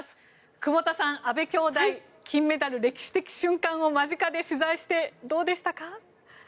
久保田さん、阿部兄妹金メダル歴史的瞬間を間近で取材してどうでしたか。